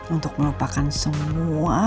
untuk melupakan semua